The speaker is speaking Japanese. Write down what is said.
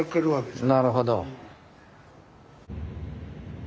なるほど。